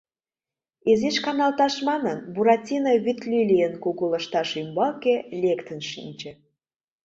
Изиш каналташ манын, Буратино вӱд лилийын кугу лышташ ӱмбаке лектын шинче.